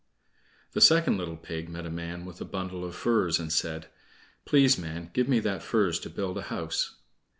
The second little pig met a man with a bundle of furze and said: "Please, man, give me that furze to build a house."